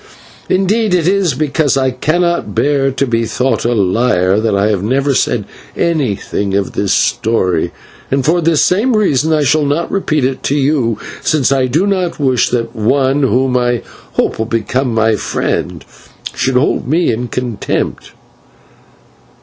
Indeed, it is because I cannot bear to be thought a liar, that I have never said anything of this story, and for this same reason I shall not repeat it to you, since I do not wish that one whom I hope will become my friend should hold me in contempt.